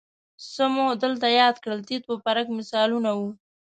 څه مو دلته یاد کړل تیت و پرک مثالونه وو